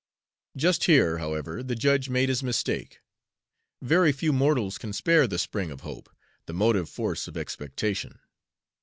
Just here, however, the judge made his mistake. Very few mortals can spare the spring of hope, the motive force of expectation.